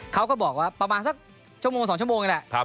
เขาก็บอกว่าประมาณสักชั่วโมง๒ชั่วโมงนี่แหละ